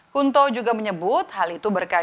kunto juga menyebut hal itu berkaitan